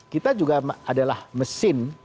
kita juga adalah mesin